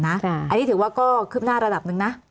อันนี้ถือว่าก็คืบหน้าระดับหนึ่งนะ